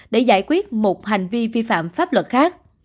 để giải quyết một hành vi vi phạm pháp luật khác